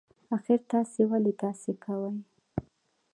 اخر تاسي ولې داسی کوئ